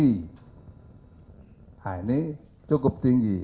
nah ini cukup tinggi